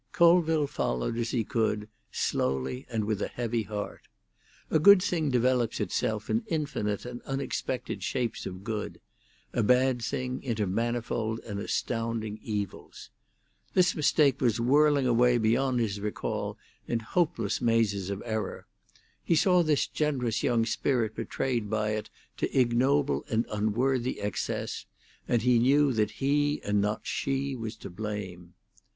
Colville followed as he could, slowly and with a heavy heart. A good thing develops itself in infinite and unexpected shapes of good; a bad thing into manifold and astounding evils. This mistake was whirling away beyond his recall in hopeless mazes of error. He saw this generous young spirit betrayed by it to ignoble and unworthy excess, and he knew that he and not she was to blame.